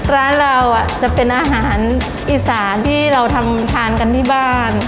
ร้านเราจะเป็นอาหารอีสานที่เราทำทานกันที่บ้าน